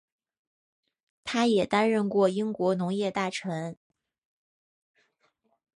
他也担任过英国农业大臣。